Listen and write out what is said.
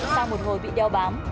sau một hồi bị đeo bám